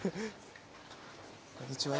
こんにちは。